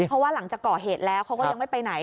เพราะว่าหลังจากก่อเหตุแล้วเขาก็ยังไม่ไปไหน